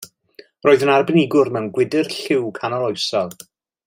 Roedd yn arbenigwr mewn gwydr lliw canoloesol.